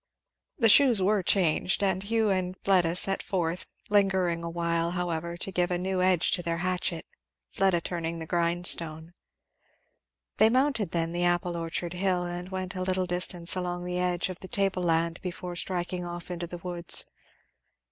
The shoes were changed, and Hugh and Fleda set forth, lingering awhile however to give a new edge to their hatchet, Fleda turning the grindstone. They mounted then the apple orchard hill and went a little distance along the edge of the table land before striking off into the woods.